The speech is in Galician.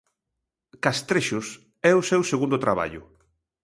'Castrexos' é o seu segundo traballo.